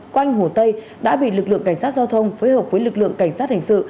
quanh hồ tây đã bị lực lượng cảnh sát giao thông phối hợp với lực lượng cảnh sát hình sự